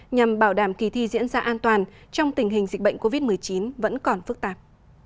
nhằm bảo đảm kỳ thi diễn ra an toàn trong tình hình dịch bệnh covid một mươi chín vẫn còn phức tạp